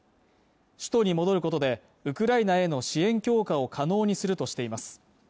首都に戻ることでウクライナへの支援強化を可能にするとしています